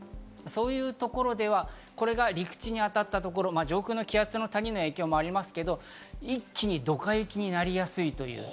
そういうところではこれが陸地に当たったところ、上空の気圧の谷の影響もありますけど、一気にドカ雪になりやすい。